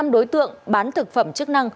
năm đối tượng bán thực phẩm chức năng